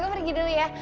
aku pergi dulu ya